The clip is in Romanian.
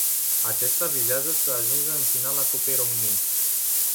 Acesta visează să ajungă în finala cupei româniei.